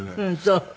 そう。